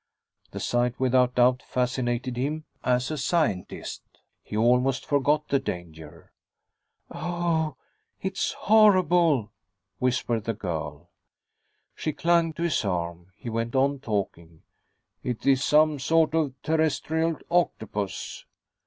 The sight, without doubt, fascinated him as a scientist. He almost forgot the danger. "Oh, it's horrible," whispered the girl. She clung to his arm. He went on talking. "It is some sort of terrestrial octopus...."